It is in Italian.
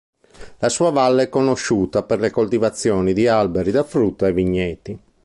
La sua valle è conosciuta per le coltivazioni di alberi da frutta e vigneti.